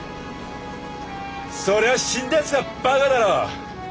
そりゃ死んだやつがばかだろ。